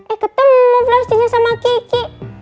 eh ketemu vlastinya sama kiki